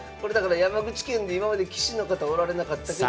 山口県で今まで棋士の方おられなかったけど。